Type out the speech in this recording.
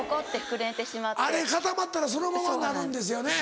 あれ固まったらそのままになるんですよね。